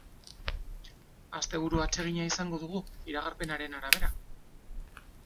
Asteburu atsegina izango dugu, iragarpenaren arabera.